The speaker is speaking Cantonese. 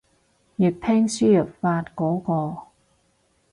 粵拼輸入法嗰個